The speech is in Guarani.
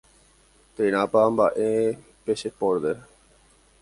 térãpa mba'e pe che pórte